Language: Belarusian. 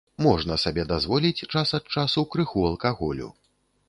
Можна сабе дазволіць час ад часу крыху алкаголю.